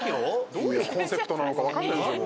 どういうコンセプトなのかわかんないんですもう。